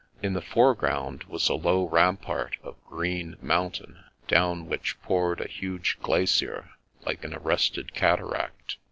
In the foreground was a low rampart of green moun tain, down which poured a huge glacier like an arrested cataract.